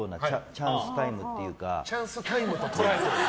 チャンスタイムと捉えてる。